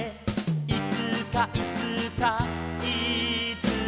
「いつかいつかいつか」